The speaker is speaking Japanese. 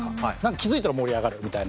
気付いたら盛り上がるみたいな。